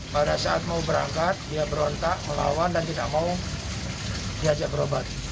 pada saat mau berangkat dia berontak melawan dan tidak mau diajak berobat